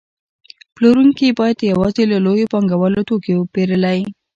پلورونکي باید یوازې له لویو پانګوالو توکي پېرلی